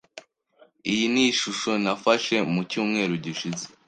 Iyi ni ishusho nafashe mu cyumweru gishize.